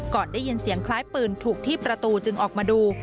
ก่อนได้ยินเสียงคล้ายปืนถูกที่ประตูจึงออกมาดู